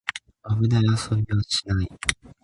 危ない遊びはしない